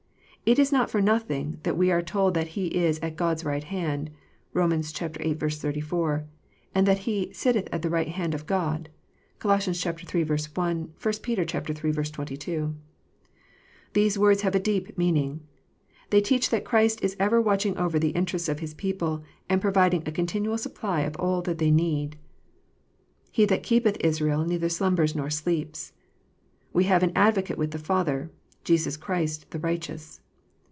It is not for nothing that we are told that He is "at God s right hand" (Bom. viii. 34), and that He "sitteth at the right hand of God." (Coloss. iii. 1 ; 1 Peter iii. 22.) These words have a deep meaning. They teach that Christ is ever watching over the interests of His people, and providing a continual supply of all that they need. " He that keepeth Israel neither slumbers nor sleeps." " We have an Advocate with the Father, Jesus Christ, the righteous."